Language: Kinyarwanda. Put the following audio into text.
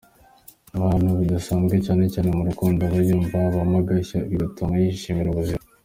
Akunda ibintu bidasnzwe, cyane cyane mu rukundo aba yumva habamo agashya bigatuma yishimira ubuzima.